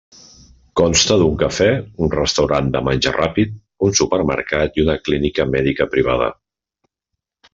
Consta d'un cafè, un restaurant de menjar ràpid, un supermercat i una clínica mèdica privada.